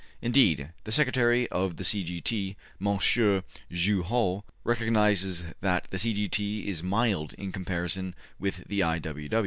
Indeed, the Secretary of the C. G. T., Monsieur Jouhaux, recognizes that the C. G. T. is mild in comparison with the I.